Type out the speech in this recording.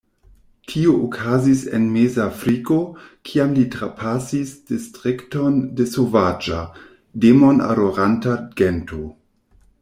Tio okazis en Mezafriko, kiam li trapasis distrikton de sovaĝa, demon-adoranta gento.